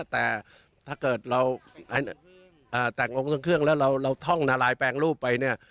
แต่ถ้าเกิดเราแต่งองค์ทรงเครื่องแล้วเราท่องนาลายแปลงรูปไปเนี่ย